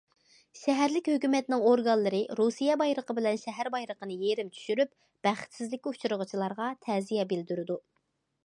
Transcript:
شەھەرلىك ھۆكۈمەتنىڭ ئورگانلىرى رۇسىيە بايرىقى بىلەن شەھەر بايرىقىنى يېرىم چۈشۈرۈپ، بەختسىزلىككە ئۇچرىغۇچىلارغا تەزىيە بىلدۈرىدۇ.